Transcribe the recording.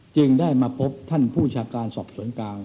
จึงได้มาพบท่านผู้ชาการสอบสวนกลาง